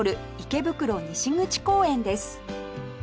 池袋西口公園です